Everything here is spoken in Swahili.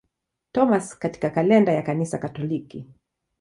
Thomas katika kalenda ya Kanisa Katoliki.